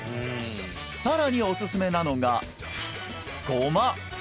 さらにおすすめなのがごま